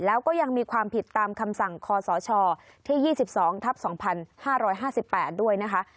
แล้วก็ยังมีความผิดตามคำสั่งคศที่๒๒ทับ๒๕๕๘ด้วยนะคะ